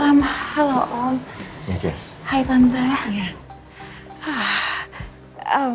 anda coba menjaga persihatan kita sebagai ibu